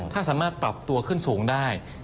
ถ้าสามารถปรับตัวขึ้นสูงได้